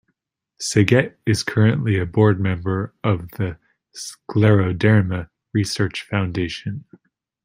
Saget is currently a board member of the Scleroderma Research Foundation.